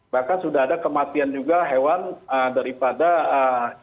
bahkan sudah ada kematian juga hewan daripada hewan